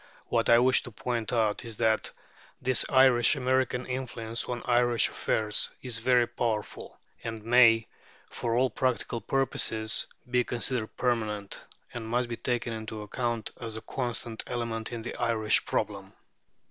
What I wish to point out is that this Irish American influence on Irish affairs is very powerful, and may, for all practical purposes, be considered permanent, and must be taken into account as a constant element in the Irish problem.